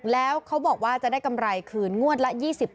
แล้วเขาบอกว่าจะได้กำไรคืนงวดละ๒๐